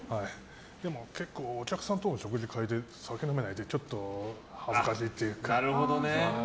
でも結構お客さんとの食事会で酒飲めないとちょっと恥ずかしいっていうか。